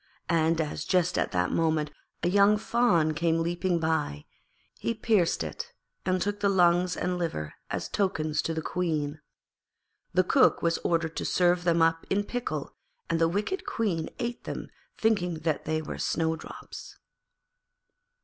And as just at that moment a young fawn came leaping by, he pierced it and took the lungs and liver as tokens to the Queen. The Cook was ordered to serve them up in pickle, and the wicked Queen ate them thinking that they were Snowdrop's.